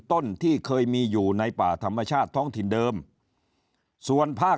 ต้นที่เคยมีอยู่ในป่าธรรมชาติท้องถิ่นเดิมส่วนภาค